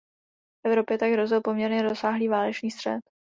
Evropě tak hrozil poměrně rozsáhlý válečný střet.